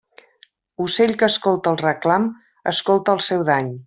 Ocell que escolta el reclam escolta el seu dany.